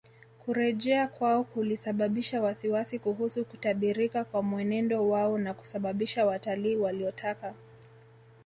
Kurejea kwao kulisababisha wasiwasi kuhusu kutabirika kwa mwenendo wao na kusababisha watalii waliotaka